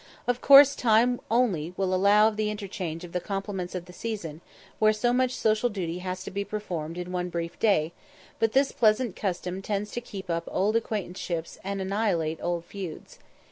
Of course time will only allow of the interchange of the compliments of the season, where so much social duty has to be performed in one brief day, but this pleasant custom tends to keep up old acquaintanceships and annihilate old feuds.